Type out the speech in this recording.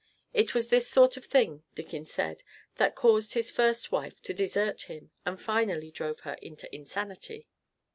It was this sort of thing, Dickens said, that caused his first wife to desert him and finally drove her into insanity.